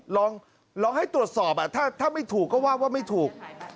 ลองให้ตรวจสอบถ้าไม่ถูกก็ว่าว่าไม่ถูก